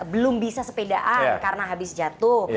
belum bisa sepedaan karena habis jatuh